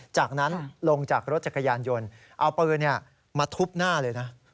จากนั้นลงจากรถจักรยานยนต์เอาปืนมาทุบหน้าเลยนะ